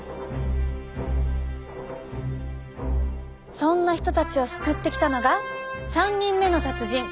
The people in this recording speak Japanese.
そんな人たちを救ってきたのが３人目の達人！